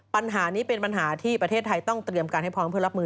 ปัญหานี้เป็นปัญหาที่ประเทศไทยต้องเตรียมการให้พร้อมเพื่อรับมือ